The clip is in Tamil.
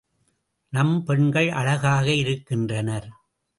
நம் பெண்கள் அழகாக இருக்கின்றனர்.